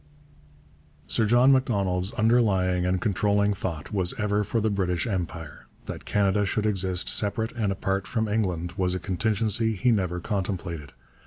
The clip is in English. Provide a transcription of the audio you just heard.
Sir John Macdonald's underlying and controlling thought was ever for the British Empire. That Canada should exist separate and apart from England was a contingency he never contemplated.